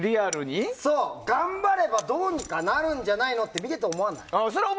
頑張ればどうにかなるんじゃないのって見てて思わない？